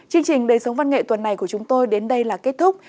chương trình đời sống văn nghệ tuần này của chúng tôi đến đây là kết thúc